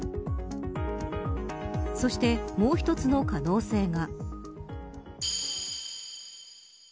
そして、もう一つの可能性が。